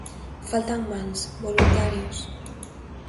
Faltan mans, voluntarios.